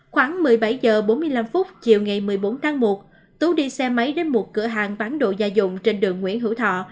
khoảng một mươi bảy h bốn mươi năm chiều ngày một mươi bốn tháng một tú đi xe máy đến một cửa hàng bán đồ gia dụng trên đường nguyễn hữu thọ